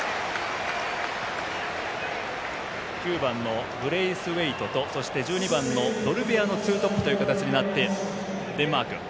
９番のブレイスウェイトと１２番のドルベアのツートップという形になっているデンマーク。